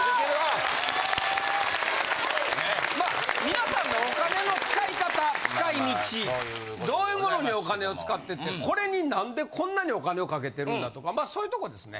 皆さんのお金の使い方使い道どういうものにお金を使っててこれに何でこんなにお金をかけてるんだとかまあそういうとこですね。